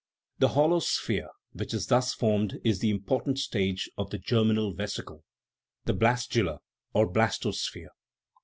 The hollow sphere which is thus formed is the important stage of the "germinal vesicle," the blastula, or blastosphere.